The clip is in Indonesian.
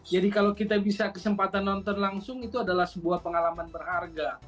kalau kita bisa kesempatan nonton langsung itu adalah sebuah pengalaman berharga